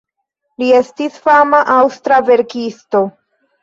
Li estis fama aŭstra verkisto.